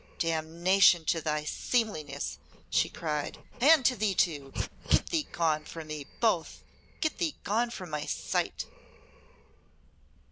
"Damnation to thy seemliness!" she cried, "and to thee too! Get thee gone from me, both get thee gone from my sight!"